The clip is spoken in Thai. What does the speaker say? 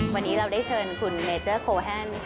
วันนี้เราได้เชิญคุณเมเจอร์โคแฮนด์